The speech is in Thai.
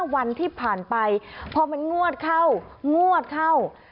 วันที่ผ่านไปพอมันงวดเข้างวดเข้า